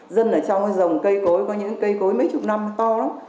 dân ở trong dòng cây cối có những cây cối mấy chục năm to lắm